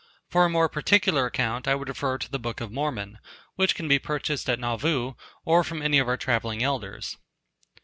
For a more particular account I would refer to the Book of Mormon, which can be purchased at Nauvoo, or from any of our travelling elders.